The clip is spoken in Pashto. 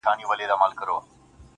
ځوان يوه غټه ساه ورکش کړه.